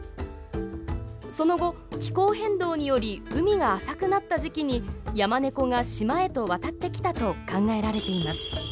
その後気候変動により海が浅くなった時期にヤマネコが島へと渡ってきたと考えられています。